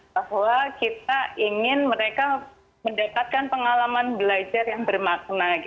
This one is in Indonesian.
bahwa kita ingin mereka mendapatkan pengalaman belajar yang bermakna